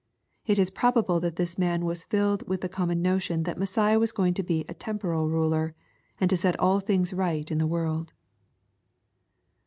It is probable that this man was filled with the com mon notion that Messiah was going to be a temporal ruler, and to set all things right in the world.